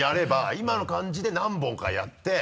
今の感じで何本かやって。